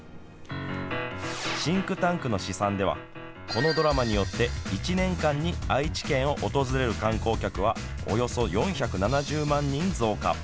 シンクタンクの試算ではこのドラマによって１年間に愛知県を訪れる観光客はおよそ４７０万人増加。